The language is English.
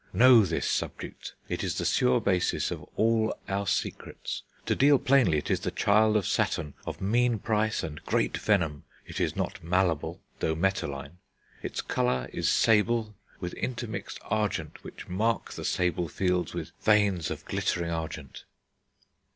Know this subject, it is the sure basis of all our secrets.... To deal plainly, it is the child of Saturn, of mean price and great venom.... It is not malleable, though metalline. Its colour is sable, with intermixed argent which mark the sable fields with veins of glittering argent."